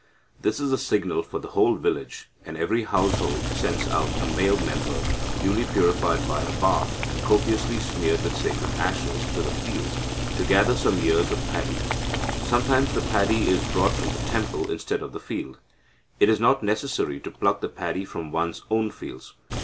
This is a signal for the whole village, and every household sends out a male member, duly purified by a bath and copiously smeared with sacred ashes, to the fields, to gather some ears of paddy. Sometimes the paddy is brought from the temple, instead of the field. It is not necessary to pluck the paddy from one's own fields.